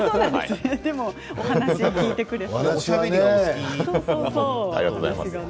でもお話を聞いてくれる。